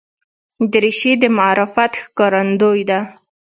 دریشي د معرفت ښکارندوی ده.